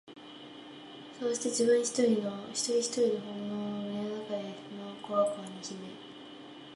そうして自分ひとりの懊悩は胸の中の小箱に秘め、